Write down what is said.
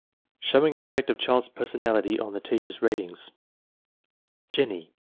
Showing effect of child's personality on the teach er's ratings* Jennie.